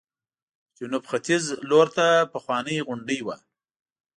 جنوب ختیځ لورته پخوانۍ غونډۍ وه.